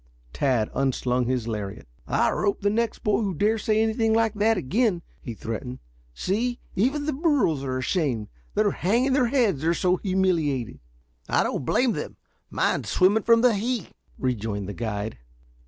Tad unslung his lariat. "I'll rope the next boy who dares say anything like that again," he threatened. "See, even the burros are ashamed. They're hanging their heads, they're so humiliated." "I don't blame them. Mine's swimming from the heat," rejoined the guide.